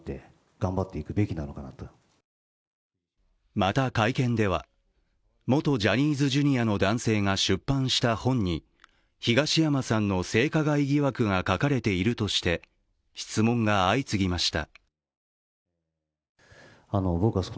また会見では、元ジャニーズＪｒ．の男性が出版した本に、東山さんの性加害疑惑が書かれているとして質問が相次ぎました。